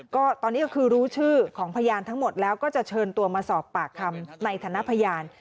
ก็ตอนนี้ก็คือรู้ชื่อของพยานทั้งหมดแล้วก็จะเชิญตัวมาสอบปากคำในฐานะพยาน